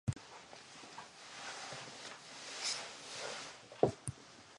He was interviewed by Amy Goodman on Democracy Now!